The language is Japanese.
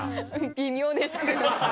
微妙です。